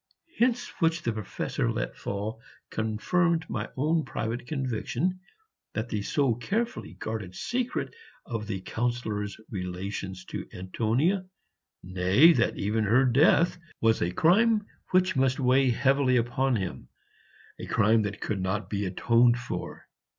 Hints which the Professor let fall confirmed my own private conviction that the so carefully guarded secret of the Councillor's relations to Antonia, nay, that even her death, was a crime which must weigh heavily upon him, a crime that could not be atoned for.